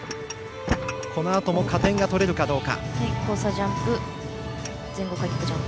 このあとも加点が取れるかどうか。